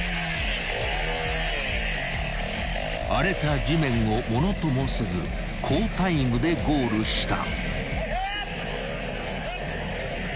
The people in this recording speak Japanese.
［荒れた地面をものともせず好タイムでゴールした］